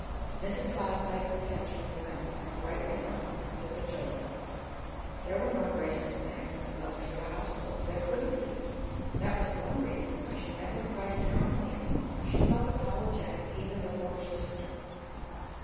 Mrs. Fosdyke's attention went, rightly enough, to the children; there were no graces of management left for the household there couldn't be; that was one reason why she never invited company any more. She felt apologetic even before her sister.